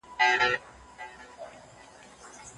پلار نن ژر راځي.